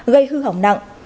gây hư hỏng nặng